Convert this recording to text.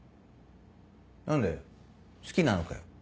何だよ好きなのかよ。